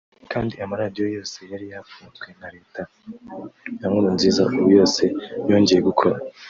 kandi amaradiyo yose yari yafunzwe na Leta ya Nkurunziza ubu yose yongeye gukora